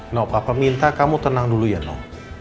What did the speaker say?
nol papa minta kamu tenang dulu ya nol